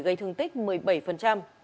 gây thương tích một mươi bảy